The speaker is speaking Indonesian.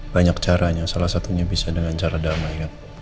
banyak caranya salah satunya bisa dengan cara damai